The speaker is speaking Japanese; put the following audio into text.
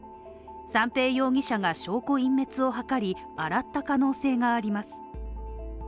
三瓶容疑者が証拠隠滅を図り、洗った可能性があります